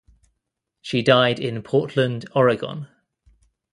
She died in Portland Oregon.